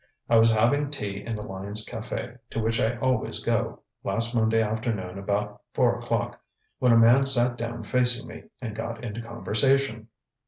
ŌĆ£I was having tea in the Lyons' cafe, to which I always go, last Monday afternoon about four o'clock, when a man sat down facing me and got into conversation.